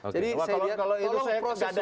jadi saya lihat proses hukum